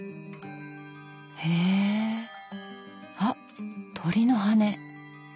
へえあっ鳥の羽根。